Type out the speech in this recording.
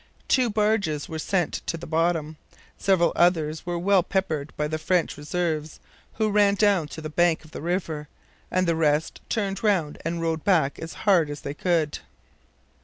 Two barges were sent to the bottom. Several others were well peppered by the French reserves, who ran down to the bank of the river; and the rest turned round and rowed back as hard as they could.